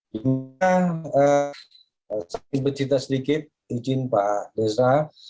saya ingin bercerita sedikit izin pak desra